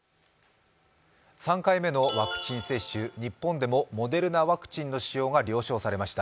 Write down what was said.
３回目のワクチン接種日本でもモデルナワクチンの使用が承認されました。